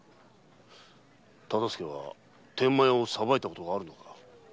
忠相は天満屋を裁いたことがあるのか？